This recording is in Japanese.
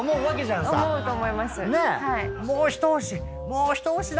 もう一押し！